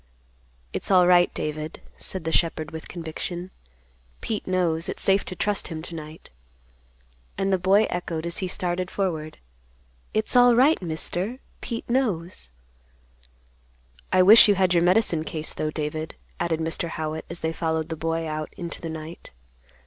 "It's all right, David," said the shepherd with conviction. "Pete knows. It is safe to trust him to night." And the boy echoed, as he started forward, "It's alright, Mister; Pete knows." "I wish you had your medicine case, though, David," added Mr. Howitt, as they followed the boy out into the night.